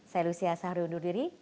saya lucia sahari undur diri